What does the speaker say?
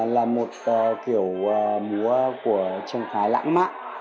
là một kiểu múa của trang khái lãng mạn